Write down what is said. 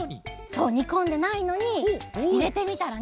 そう！にこんでないのにいれてみたらね